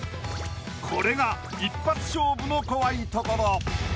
これが一発勝負の怖いところ。